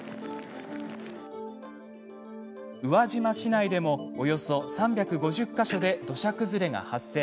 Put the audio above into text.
宇和島市内でもおよそ３５０か所で土砂崩れが発生。